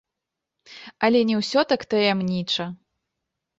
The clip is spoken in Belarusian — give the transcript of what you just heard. Але не ўсё так таямніча.